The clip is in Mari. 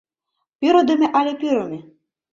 Пÿрыдымö але пÿрымö?